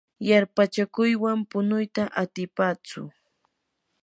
yarpachakuywan punuyta atipatsu.